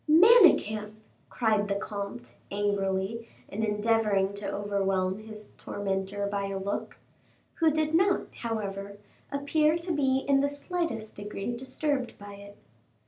'" "Manicamp!" cried the comte, angrily, and endeavoring to overwhelm his tormentor by a look, who did not, however, appear to be in the slightest degree disturbed by it.